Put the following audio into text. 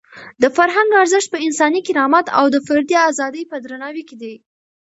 د فرهنګ ارزښت په انساني کرامت او د فردي ازادۍ په درناوي کې دی.